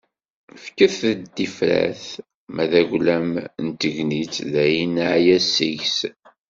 Fket-d tifrat... ma d aglam n tegnit, dayen neɛya seg-s.